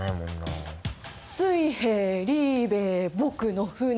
「水兵リーベ僕の船」